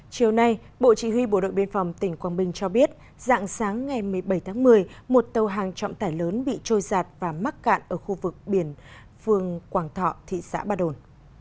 chiều nay bộ chỉ huy bộ đội biên phòng tỉnh quảng bình cho biết dạng sáng ngày một mươi bảy tháng một mươi một tàu hàng trọng tải lớn bị trôi giạt và mắc cạn ở khu vực biển phường quảng thọ thị xã ba đồn